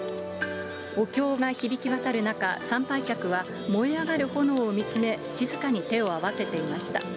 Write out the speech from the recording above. お経が響き渡る中、参拝客は燃え上がる炎を見つめ、静かに手を合わせていました。